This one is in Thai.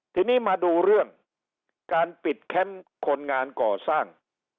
ทีนี้มาดูเรื่องการปิดแคมป์คนงานก่อสร้าง